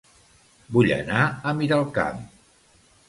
Vull anar a Miralcamp